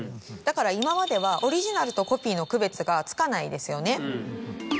だから今まではオリジナルとコピーの区別がつかないですよね。